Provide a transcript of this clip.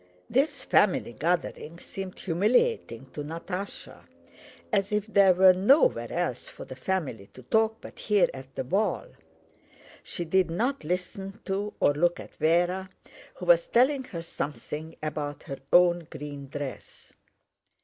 This family gathering seemed humiliating to Natásha—as if there were nowhere else for the family to talk but here at the ball. She did not listen to or look at Véra, who was telling her something about her own green dress.